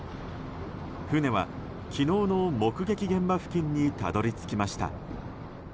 船は昨日の目撃現場付近にたどり着きました。